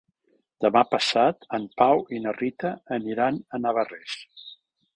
Demà passat en Pau i na Rita aniran a Navarrés.